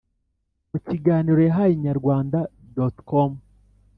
Mu kiganiro yahaye Inyarwanda.com,